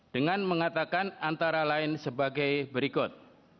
dengan mengatakan antara lain sebagai berikut